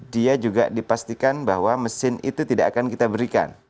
dia juga dipastikan bahwa mesin itu tidak akan kita berikan